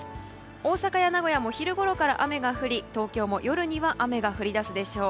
大阪や名古屋も昼ごろから雨が降り東京も夜には雨が降り出すでしょう。